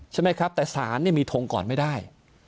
ใช่ไหมครับแต่สารมีทงก่อนไม่ได้